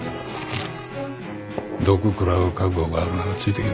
毒食らう覚悟があるならついてきな。